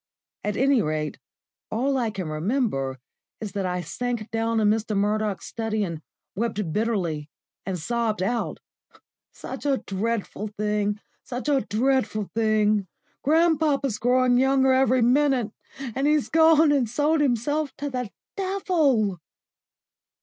At any rate, all I can remember is that I sank down in Mr. Murdoch's study, and wept bitterly and sobbed out: "Such a dreadful thing such a dreadful thing. Grandpapa's growing younger every minute; and he's gone and sold himself to the Devil!"